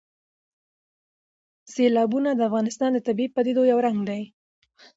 سیلابونه د افغانستان د طبیعي پدیدو یو رنګ دی.